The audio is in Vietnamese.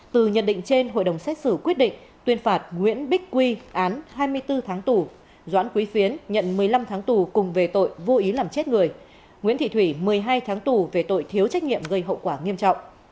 từ nhận định trên hội đồng xét xử quyết định tuyên phạt nguyễn bích quy án hai mươi bốn tháng tù doãn quý phiến nhận một mươi năm tháng tù cùng về tội vô ý làm chết người nguyễn thị thủy một mươi hai tháng tù về tội thiếu trách nhiệm gây hậu quả nghiêm trọng